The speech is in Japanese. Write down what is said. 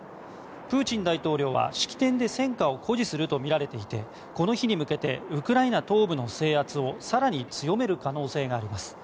プーチン大統領は、式典で戦果を誇示するとみられていてこの日に向けてウクライナ東部の制圧を更に強める可能性があります。